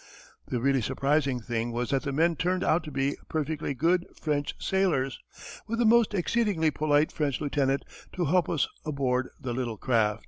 The really surprising thing was that the men turned out to be perfectly good French sailors, with a most exceedingly polite French lieutenant to help us aboard the little craft....